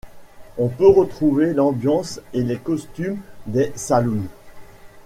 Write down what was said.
On peut retrouve l'ambiance et les costumes des saloons.